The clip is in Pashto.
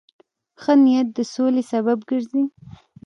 ښه نیت د سولې سبب ګرځي.